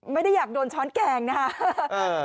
ไม่ได้อยากโดนช้อนแกงนะครับ